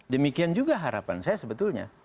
demikian juga harapan saya sebetulnya